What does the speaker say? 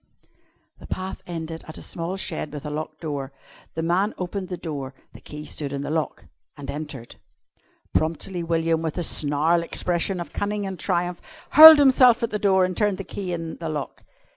The path ended at a small shed with a locked door. The man opened the door the key stood in the lock and entered. Promptly William, with a snarl expressive of cunning and triumph, hurled himself at the door and turned the key in the lock.